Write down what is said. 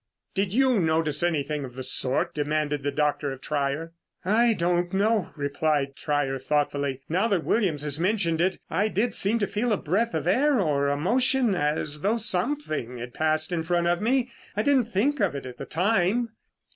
"Did you notice anything of the sort?" demanded the doctor of Trier. "I don't know," replied Trier thoughtfully. "Now that Williams has mentioned it, I did seem to feel a breath of air or a motion as though something had passed in front of me. I didn't think of it at the time."